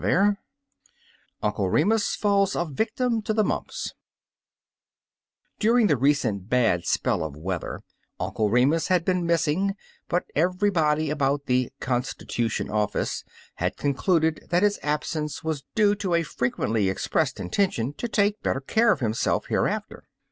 '* UNCLE REMUS FALLS A VICTIM TO THE MUMPS DURING the recent bad spell of weather Uncle Remus has been missing, but everybody about the Constitution '' office had concluded that his absence was due to a frequently ex pressed intention to take better care of him self hereafter.